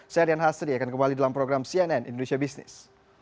saya rian hasri akan kembali dalam program cnn indonesia business